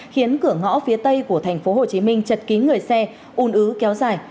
khiến cửa ngõ phía tây của thành phố hồ chí minh chật kín người xe un ứ kéo dài